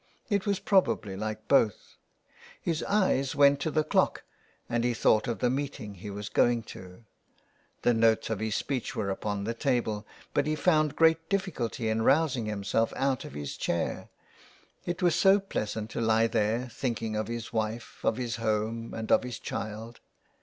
It was probably like both. His eyes went to the clock, and he thought of the meeting he was going to. The notes of his speech were upon the table, but he found great difficulty in rousing himself out of his chair ; it was so pleasant to lie there, thinking of his wife, of his home, and of his child.